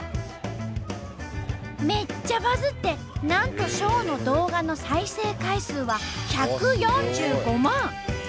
めっちゃバズってなんとショーの動画の再生回数は１４５万！